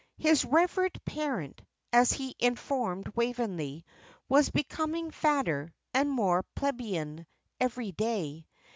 "His revered parent," as he informed Waveney, "was becoming fatter, and more plebeian, every day."